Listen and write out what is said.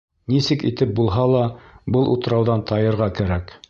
Нисек итеп булһа ла, был утрауҙан тайырға кәрәк.